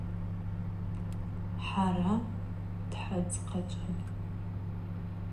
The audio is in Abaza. Хӏара дхӏыдзхъачӏвапӏ.